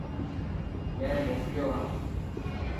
مين موڪليو هان.